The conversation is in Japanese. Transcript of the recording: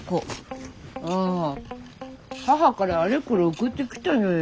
あぁ母からあれこれ送ってきたのよ。